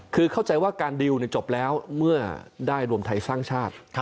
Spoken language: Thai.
คือเข้าใจว่าการดีลจบแล้วเมื่อได้รวมไทยสร้างชาติ